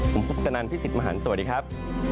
ผมพุทธนันพี่สิทธิ์มหันฯสวัสดีครับ